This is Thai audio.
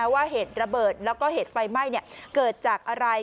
ว่าเหตุระเบิดแล้วก็เหตุไฟไหม้เกิดจากอะไร